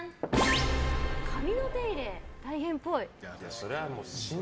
髪の手入れ、大変っぽい。